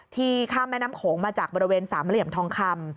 ข้ามแม่น้ำโขงมาจากบริเวณสามเหลี่ยมทองคำ